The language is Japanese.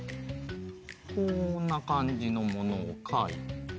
こんなかんじのものをかいて。